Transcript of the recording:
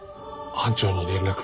班長に連絡。